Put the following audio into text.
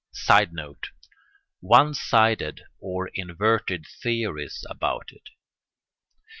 [Sidenote: One sided or inverted theories about it.